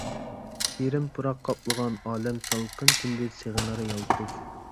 شېرىن پۇراق قاپلىغان ئالەم، سالقىن تۈندە سېغىنار يالپۇز.